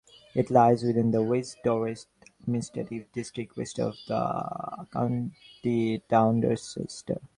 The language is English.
It lies within the West Dorset administrative district, west of the county town Dorchester.